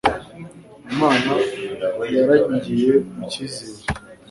Inama yarangiye ku cyizere.